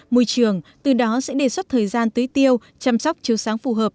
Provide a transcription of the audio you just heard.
môi trường từ đó sẽ đề xuất thời gian tới tiêu chăm sóc chiếu sáng phù hợp